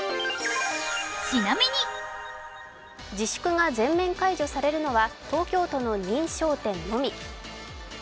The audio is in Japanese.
自粛が全面解除されるのは東京都の認証店のみ。